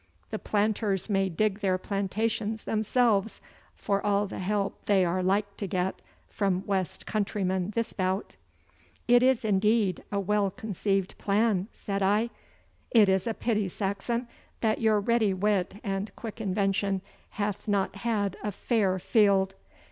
The planters may dig their plantations themselves for all the help they are like to get from West countrymen this bout.' 'It is, indeed, a well conceived plan,' said I. 'It is a pity, Saxon, that your ready wit and quick invention hath not had a fair field.